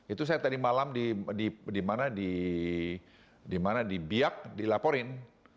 itu saya tadi malam di biak dilaporin